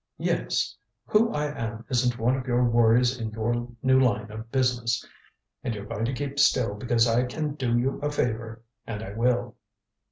"Yes. Who I am isn't one of your worries in your new line of business. And you're going to keep still because I can do you a favor and I will."